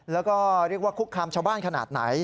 แล้วก็เรียกว่าคุกคามชาวบ้านขนาดไหน